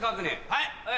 はい！